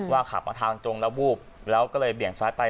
ขับมาทางตรงแล้ววูบแล้วก็เลยเบี่ยงซ้ายไป